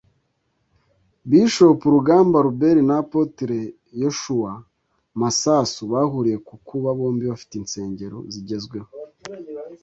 Bishop Rugamba Albert na Apotre Yoshua Masasu bahuriye ku kuba bombi bafite insengero zigezweho